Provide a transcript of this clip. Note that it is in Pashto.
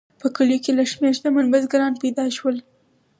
په کلیو کې لږ شمیر شتمن بزګران پیدا شول.